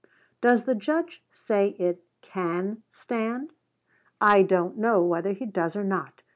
Does the Judge say it can stand? I don't know whether he does or not.